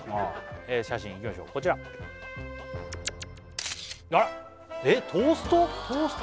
写真いきましょうこちらあっえっトースト？